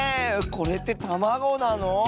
これってたまごなの？